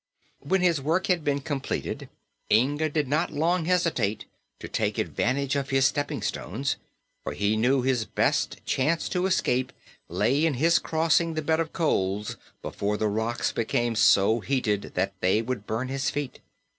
When his work had been completed, Inga did not long hesitate to take advantage of his stepping stones, for he knew his best chance of escape lay in his crossing the bed of coals before the rocks became so heated that they would burn his feet.